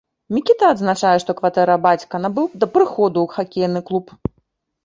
Мікіта адзначае, што кватэра бацька набыў да прыходу ў хакейны клуб.